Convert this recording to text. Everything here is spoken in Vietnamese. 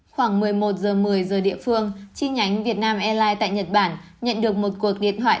khoảng một mươi một h một mươi giờ địa phương chi nhánh việt nam airlines tại nhật bản nhận được một cuộc điện thoại